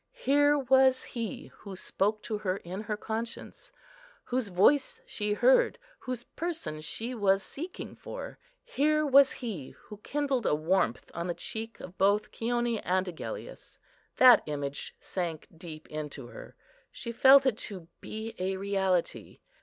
Here was He who spoke to her in her conscience; whose Voice she heard, whose Person she was seeking for. Here was He who kindled a warmth on the cheek of both Chione and Agellius. That image sank deep into her; she felt it to be a reality.